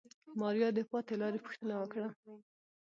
ماريا د پاتې لارې پوښتنه وکړه.